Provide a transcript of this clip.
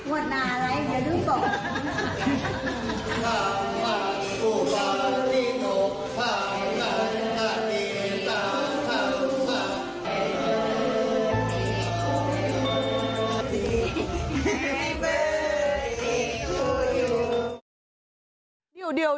วันหน้าอะไรอย่าลืมบอก